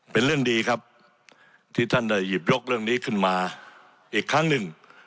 เป็นเรื่องดีครับที่ท่านได้หยิบยกเรื่องนี้ขึ้นมาอีกครั้งหนึ่ง